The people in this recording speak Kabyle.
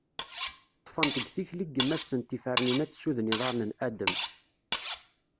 Ṭfent deg tikli n yemma-tsent ifernen ad tessuden iḍarren n Adem.